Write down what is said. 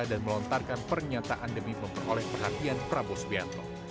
dan melontarkan pernyataan demi memperoleh perhatian prabowo subianto